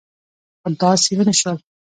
خو داسې ونه شول.